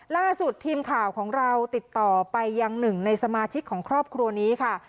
ล่าสุดทีมข่าวของเราติดต่อไปยังหนึ่งในสมาชิกของครอบครัวนี้ค่ะ